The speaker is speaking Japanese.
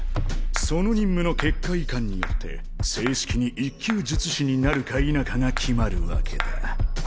その任務の結果いかんによって正式に１級術師になるか否かが決まるわけだ。